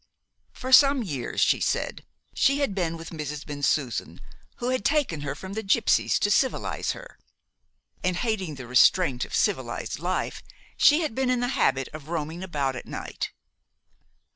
"For some years, she said, she had been with Mrs. Bensusan, who had taken her from the gypsies to civilise her, and hating the restraint of civilised life, she had been in the habit of roaming about at night.